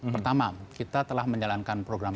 pertama kita telah menjalankan program